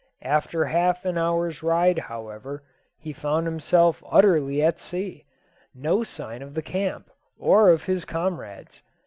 After half an hour's ride, however, he found himself utterly at sea no sign of the camp, or of his comrades.